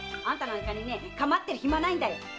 あんたなんかにかまってる暇ないんだよ。